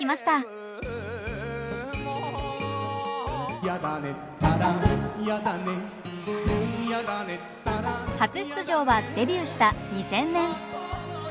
初出場はデビューした２０００年。